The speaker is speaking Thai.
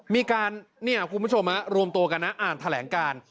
มีการเนี่ยคุณผู้ชมรวมตัวกันนะอ่านแถลงการ